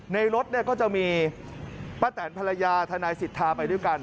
รถเนี่ยก็จะมีป้าแตนภรรยาทนายสิทธาไปด้วยกัน